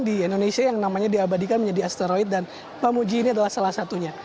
di indonesia yang namanya diabadikan menjadi asteroid dan pak muji ini adalah salah satunya